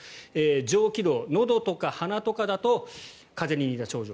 上気道、のどとか鼻とかだと風邪に似た症状